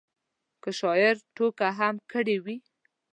که شاعر ټوکه هم کړې وي.